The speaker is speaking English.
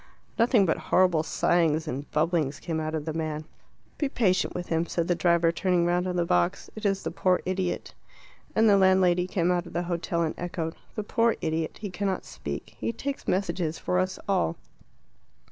Nothing but horrible sighings and bubblings came out of the man. "Be patient with him," said the driver, turning round on the box. "It is the poor idiot." And the landlady came out of the hotel and echoed "The poor idiot. He cannot speak. He takes messages for us all."